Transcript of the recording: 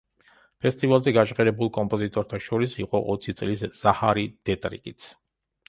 ფესტივალზე გაჟღერებულ კომპოზიტორთა შორის იყო ოცი წლის ზაჰარი დეტრიკიც.